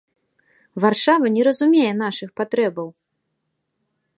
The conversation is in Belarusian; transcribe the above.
Варшава не разумее нашых патрэбаў!